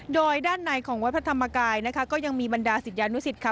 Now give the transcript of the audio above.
โดยด้านในของวัดพระธรรมกายนะคะก็ยังมีบรรดาศิษยานุสิตค่ะ